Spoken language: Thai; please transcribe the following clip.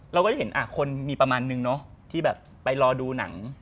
เราก็จะเห็นคนมีประมาณนึงเนอะที่แบบไปรอดูหนัง